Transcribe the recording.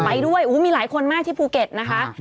ไปด้วยมีหลายคนมากที่ภูเก็ตนะคะ